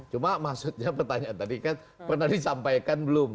cuma maksudnya pertanyaan tadi kan pernah disampaikan belum